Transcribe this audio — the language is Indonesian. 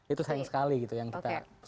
itu sayang sekali gitu yang kita